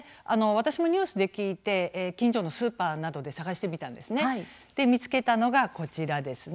私もニュースで聞いて近所のスーパーなどで探してみたんですね。